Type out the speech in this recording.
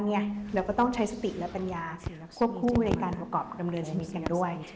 เราก็ต้องใช้สติและปัญญาควบคู่ในการประกอบดำเนินชีวิตกันด้วย